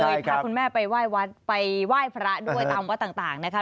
พาคุณแม่ไปไหว้พระด้วยตามว่าต่างนะคะ